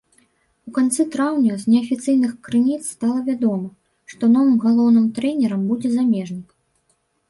У канцы траўня з неафіцыйных крыніц стала вядома, што новым галоўным трэнерам будзе замежнік.